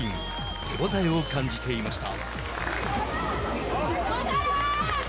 手応えを感じていました。